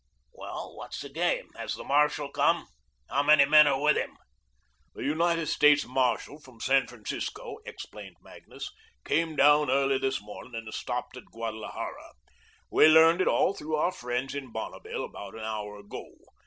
"Well, what's the game? Has the marshal come? How many men are with him?" "The United States marshal from San Francisco," explained Magnus, "came down early this morning and stopped at Guadalajara. We learned it all through our friends in Bonneville about an hour ago.